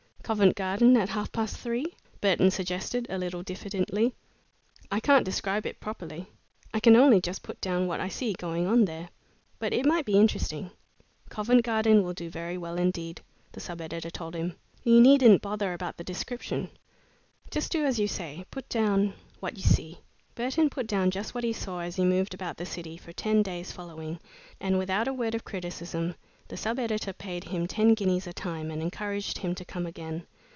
"Covent Garden at half past three?" Burton suggested, a little diffidently. "I can't describe it properly. I can only just put down what I see going on there, but it might be interesting." "Covent Garden will do very well indeed," the sub editor told him. "You needn't bother about the description. Just do as you say; put down what you see." Burton put down just what he saw as he moved about the city, for ten days following, and without a word of criticism the sub editor paid him ten guineas a time and encouraged him to come again.